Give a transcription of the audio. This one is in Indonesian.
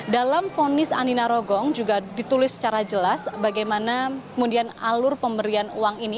dalam vonis andina rogong juga ditulis secara jelas bagaimana kemudian alur pemberian uang ini